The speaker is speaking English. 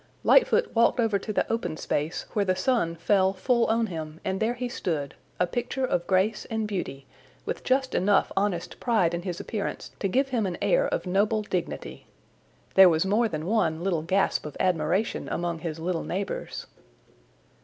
Lightfoot walked over to the open space where the sun fell full on him and there he stood, a picture of grace and beauty with just enough honest pride in his appearance to give him an air of noble dignity. There was more than one little gasp of admiration among his little neighbors.